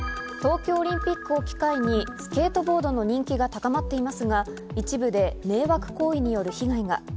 東京オリンピックを機会に、スケートボードの人気が高まっていますが、一部で迷惑行為による被害が。